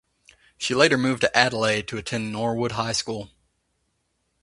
She later moved to Adelaide to attend Norwood High School.